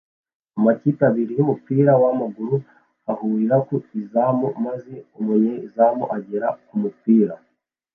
Amakipe abiri yumupira wamaguru ahurira ku izamu maze umunyezamu agera kumupira